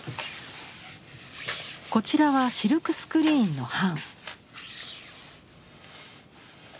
こちらはシルクスクリーンの版。